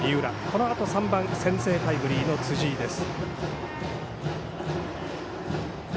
このあと３番、先制タイムリーの辻井です。